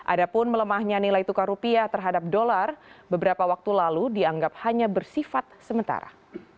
adapun melemahnya nilai tukar rupiah terhadap dolar beberapa waktu lalu dianggap hanya bersifat sementara